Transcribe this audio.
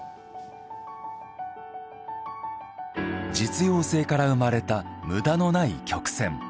実用性から生まれたむだの無い曲線。